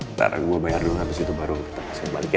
ntar gua bayar dulu abis itu baru kita langsung balik ya